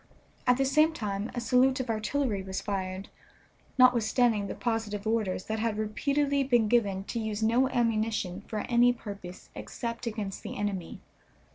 At the same time a salute of artillery was fired, notwithstanding the positive orders that had repeatedly been given to use no ammunition for any purpose except against the enemy.